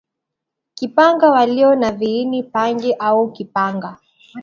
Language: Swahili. kipanga walio na viini pange au kipanga